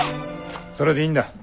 それでいいんだ。